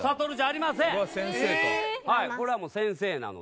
はいこれはもう先生なので。